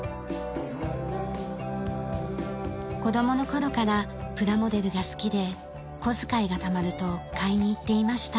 子供の頃からプラモデルが好きで小遣いがたまると買いに行っていました。